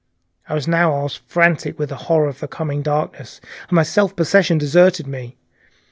I was now almost frantic with the horror of the coming darkness, and my self possession deserted me.